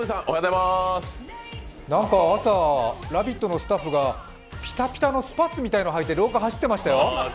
朝、「ラヴィット！」のスタッフがピタピタのスパッツみたいなのをはいて廊下を走ってましたよ。